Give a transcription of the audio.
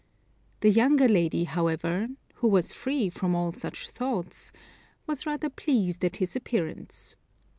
The younger lady, however (who was free from all such thoughts), was rather pleased at his appearance.